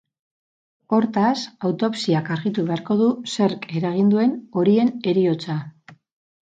Hortaz, autopsiak argitu beharko du zerk eragin duen horien heriotza.